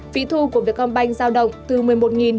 phí thu của việt con bành giao động từ một mươi một đồng